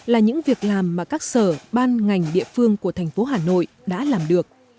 là những việc làm mà các sở ban ngành địa phương của thành phố hà nội đã làm được